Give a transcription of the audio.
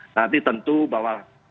nanti tentu bahwa